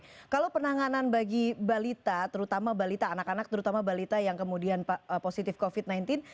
oke kalau penanganan bagi balita terutama balita anak anak terutama balita yang kemudian positif covid sembilan belas